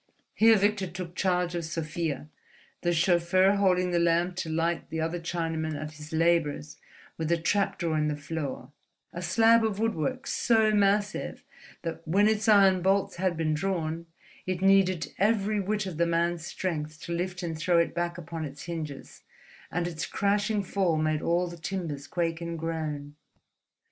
Here Victor took charge of Sofia, the chauffeur holding the lamp to light the other Chinaman at his labours with a trap door in the floor, a slab of woodwork so massive that, when its iron bolts had been drawn, it needed every whit of the man's strength to lift and throw it back upon its hinges; and its crashing fall made all the timbers quake and groan.